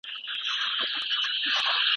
آیا تدریس تر زده کړي ستونزمن دی؟